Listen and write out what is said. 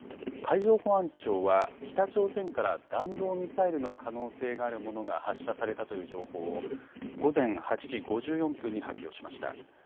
海上保安庁は北朝鮮から弾道ミサイルの可能性があるものが発射されたという情報を午前８時５４分に発表しました。